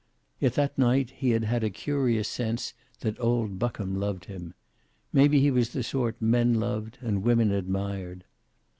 Yet that night he had had a curious sense that old Buckham loved him. Maybe he was the sort men loved and women admired.